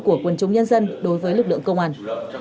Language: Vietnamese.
của quân chúng nhân dân đối với lực lượng công an